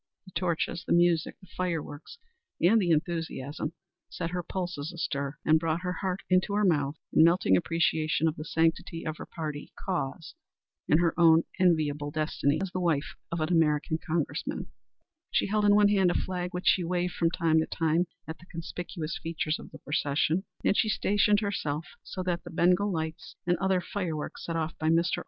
The torches, the music, the fireworks and the enthusiasm set her pulses astir and brought her heart into her mouth in melting appreciation of the sanctity of her party cause and her own enviable destiny as the wife of an American Congressman. She held in one hand a flag which she waved from time to time at the conspicuous features of the procession, and she stationed herself so that the Bengal lights and other fireworks set off by Mr. Parsons's hired man should throw her figure into conspicuous relief.